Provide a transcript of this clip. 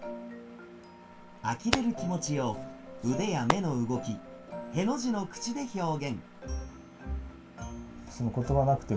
あきれる気持ちを腕や目の動きへの字の口で表現。